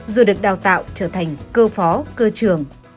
rồi được đào tạo trở thành cơ phó cơ trường